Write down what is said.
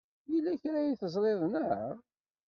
Yella kra ay teẓriḍ, naɣ?